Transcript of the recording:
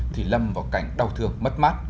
thì lâm vào cảnh đau thương mất mát